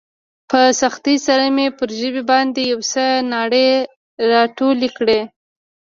په سختۍ سره مې پر ژبې باندې يو څه ناړې راټولې کړې.